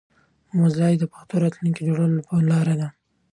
موزیلا د پښتو د راتلونکي جوړولو لاره ده.